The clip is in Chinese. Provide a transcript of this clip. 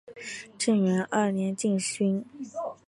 正元二年进军。